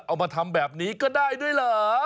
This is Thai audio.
เอามาทำแบบนี้ก็ได้ด้วยเหรอ